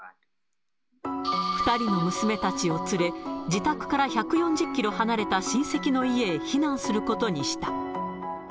２人の娘たちを連れ、自宅から１４０キロ離れた親戚の家へ避難することにした。